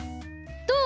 どう？